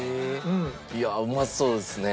いやうまそうっすね。